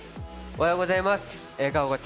おはようございます。